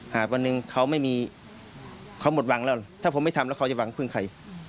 วันหนึ่งเขาไม่มีเขาหมดหวังแล้วถ้าผมไม่ทำแล้วเขาจะหวังพึ่งใคร